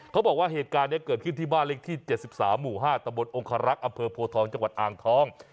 เขาบอกว่าเหตุการณ์นี้เกิดขึ้นที่บ้านเลขที่๗๓หมู่๕ตะบนองคารักษ์อำเภอโพทองจังหวัดอ่างทอง